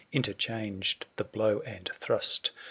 Interchanged the blow and thrust.